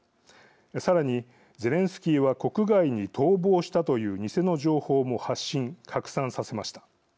さらに、ゼレンスキーは国外に逃亡したという偽の情報も発信、拡散させました。